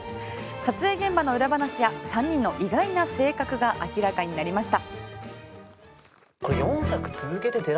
撮影現場の裏話や３人の意外な性格が明らかになりました。